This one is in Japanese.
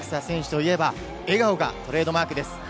植草選手といえば笑顔がトレードマークです。